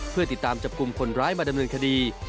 เพื่อติดตามจับกลุ่มคนร้ายมาดำเนินคดี